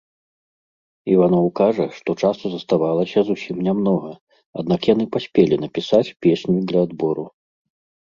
Іваноў кажа, што часу заставалася зусім нямнога, аднак яны паспелі напісаць песню для адбору.